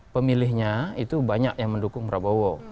pemilihnya itu banyak yang mendukung prabowo